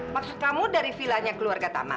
maksud kamu dari vilanya keluarga tama